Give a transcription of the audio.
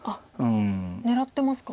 狙ってますか？